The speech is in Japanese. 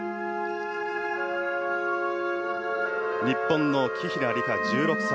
日本の紀平梨花１６歳。